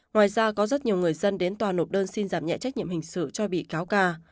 ngoài ra có rất nhiều người dân đến tòa nộp đơn xin giảm nhẹ trách nhiệm hình sự cho bị cáo ca